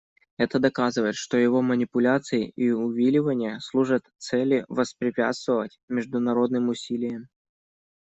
Это доказывает, что его манипуляции и увиливания служат цели воспрепятствовать международным усилиям.